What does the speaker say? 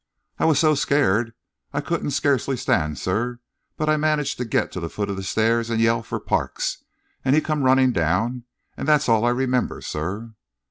"I was so scared I couldn't scarcely stand, sir; but I managed to get to the foot of the stairs and yell for Parks, and he come running down and that's all I remember, sir."